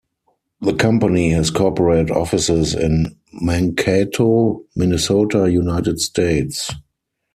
The company has corporate offices in Mankato, Minnesota, United States.